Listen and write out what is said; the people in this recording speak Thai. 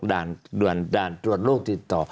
ด่านตรวจโรคติดต่อ